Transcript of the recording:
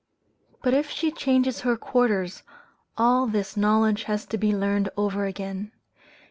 But if she changes her quarters, all this knowledge has to be learned over again.